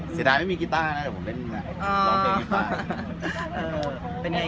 เสียดายไม่มีกิตาร์แต่ผมเล่นร้องเพลงคลิปด้วย